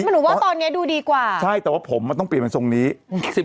เป็นการกระตุ้นการไหลเวียนของเลือด